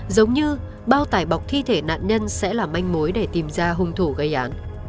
giống như bao tải bọc thi thể nạn nhân sẽ là manh mối để tìm ra hung thủ gây án